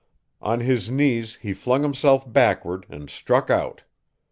On his knees he flung himself backward, and struck out.